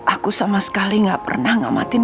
aku sama sekali gak pernah ngamatin